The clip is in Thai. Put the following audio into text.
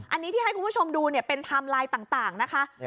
อันนี้ที่ให้คุณผู้ชมดูเป็นไทม์ไลน์ต่างนะคะ